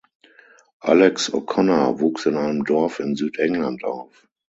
Alex O’Connor wuchs in einem Dorf in Südengland auf.